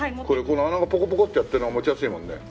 これこの穴がポコポコってやってるのが持ちやすいもんね。